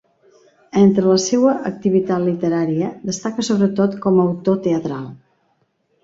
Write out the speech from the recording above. Entre la seua activitat literària, destaca sobretot com a autor teatral.